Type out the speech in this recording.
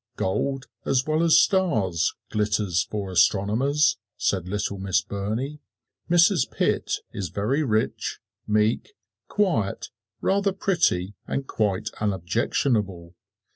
"Gold, as well as stars, glitters for astronomers," said little Miss Burney. "Mrs. Pitt is very rich, meek, quiet, rather pretty and quite unobjectionable."